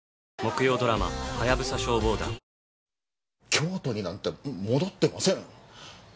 京都になんて戻ってません。